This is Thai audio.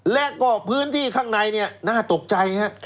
และก็พื้นที่ข้างในน่าตกใจ